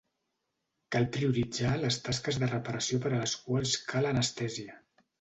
Cal prioritzar les tasques de reparació per a les quals cal anestèsia.